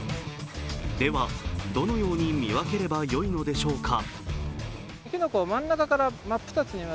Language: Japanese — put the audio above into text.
では、どのように見分ければよいのしょうか？